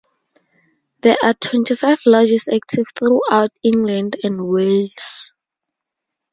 There are twenty-five lodges active throughout England and Wales.